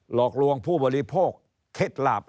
หลอกลวงผู้บริโภคเคล็ดหลาบ